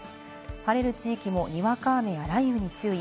晴れる地域もにわか雨や雷雨に注意。